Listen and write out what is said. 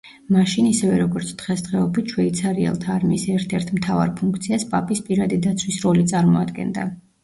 მაშინ, ისევე როგორც დღესდღეობით, შვეიცარიელთა არმიის ერთ-ერთ მთავარ ფუნქციას პაპის პირადი დაცვის როლი წარმოადგენდა.